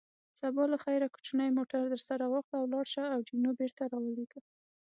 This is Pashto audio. سبا له خیره کوچنی موټر درسره واخله، ولاړ شه او جینو بېرته را ولېږه.